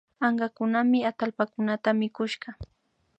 Ankakunami atallpakunata mikushka